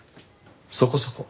そこそこ。